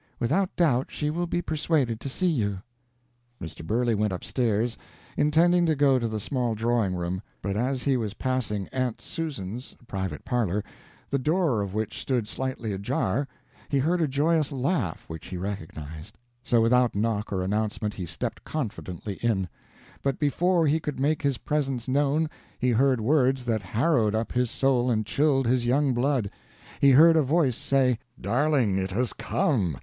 Without doubt she will be persuaded to see you." Mr. Burley went up stairs, intending to go to the small drawing room, but as he was passing "Aunt Susan's" private parlor, the door of which stood slightly ajar, he heard a joyous laugh which he recognized; so without knock or announcement he stepped confidently in. But before he could make his presence known he heard words that harrowed up his soul and chilled his young blood, he heard a voice say: "Darling, it has come!"